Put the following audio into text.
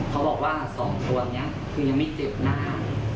เขาบอกว่า๒คนนี้คือยังไม่เจ็บหน้า